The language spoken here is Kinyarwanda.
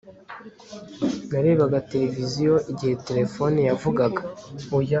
Narebaga televiziyo igihe terefone yavugaga